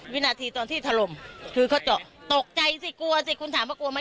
วินาทีตอนที่ถล่มคือเขาเจาะตกใจสิกลัวสิคุณถามว่ากลัวไหม